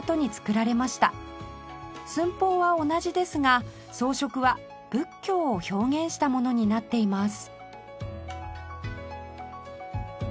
寸法は同じですが装飾は仏教を表現したものになっています